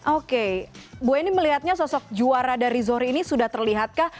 oke bu eni melihatnya sosok juara dari zohri ini sudah terlihatkah